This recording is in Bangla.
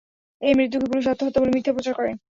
এই মৃত্যুকে পুলিশ আত্মহত্যা বলে মিথ্যা প্রচার করে।